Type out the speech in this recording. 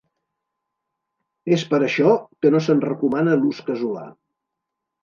És per això que no se'n recomana l'ús casolà.